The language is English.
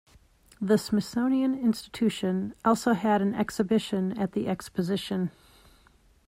The Smithsonian Institution also had an exhibition at the Exposition.